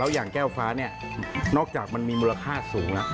แล้วอย่างแก้วฟ้านี่นอกจากมันมีมูลค่าสูง